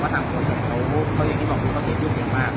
ก็ทำสวดจากโทรฟเคยที่บอกวิวเขาเสียชื่อเจียงพลาก